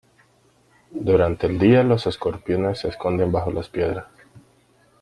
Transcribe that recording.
Durante el día los escorpiones se esconden bajo las piedras.